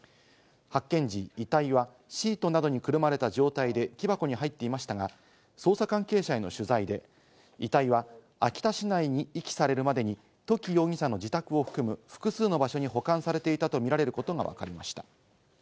発見時、遺体はシートなどにくるまれた状態で木箱に入っていましたが、捜査関係者への取材で、遺体は秋田市内に遺棄されるまでに土岐容疑者の自宅を含む複数の場所に保管されていたとみられることがわかりました。